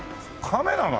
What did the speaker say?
カメラが？